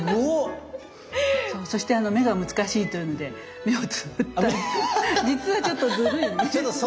そして目が難しいというので目をつぶった実はちょっとずるい。